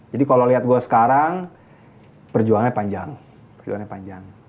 jadi kalau liat gue sekarang perjuangannya panjang